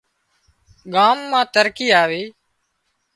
ڳام مان ترقي آوي